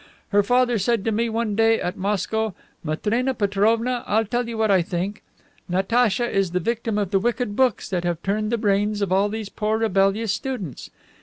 Her father said to me one day at Moscow, 'Matrena Petrovna, I'll tell you what I think Natacha is the victim of the wicked books that have turned the brains of all these poor rebellious students.